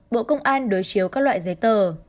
bộ công an đối chiếu các loại giấy tờ